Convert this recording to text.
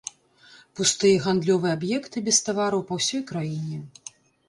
Пустыя гандлёвыя аб'екты без тавараў па ўсёй краіне.